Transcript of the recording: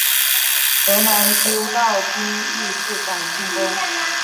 河南诸道兵亦不敢进攻。